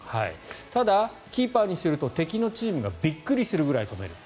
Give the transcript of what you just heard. ただ、キーパーにすると敵のチームがびっくりするぐらい止める。